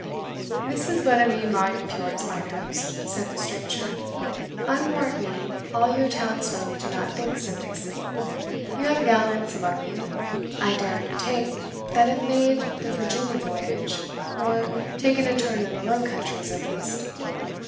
"This is but a mean mind of yours, mine host," said the stranger; "I warrant me, all your town's folk do not think so basely. You have gallants among you, I dare undertake, that have made the Virginia voyage, or taken a turn in the Low Countries at least.